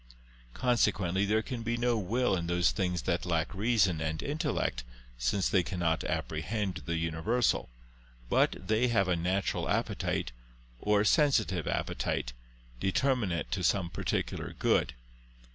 Consequently there can be no will in those things that lack reason and intellect, since they cannot apprehend the universal; but they have a natural appetite or a sensitive appetite, determinate to some particular good.